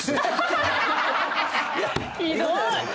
ひどい！